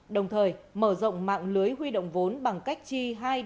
đồng thời mở rộng mạng lưới huy động vốn bằng cách chi hai một mươi